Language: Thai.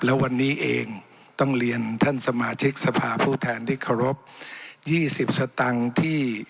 และวันนี้เองต้องเรียนท่านสมาชิกสภาผู้แทนที่เคารพ๒๐สตังค์ที่